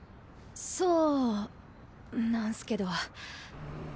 そうなんすけど。